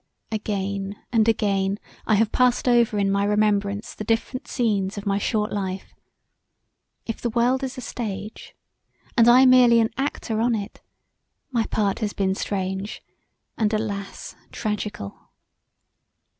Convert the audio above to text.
Again and again I have passed over in my remembrance the different scenes of my short life: if the world is a stage and I merely an actor on it my part has been strange, and, alas! tragical.